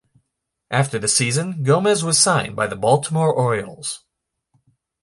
After the season, Gomez was signed by the Baltimore Orioles.